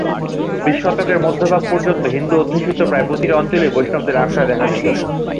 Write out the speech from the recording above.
বিশ শতকের মধ্যভাগ পর্যন্ত হিন্দু অধ্যুষিত প্রায় প্রতিটি অঞ্চলেই বৈষ্ণবদের আখড়া দেখা যেত।